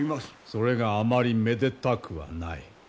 それがあまりめでたくはない。